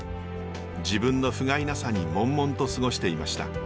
自分のふがいなさにもんもんと過ごしていました。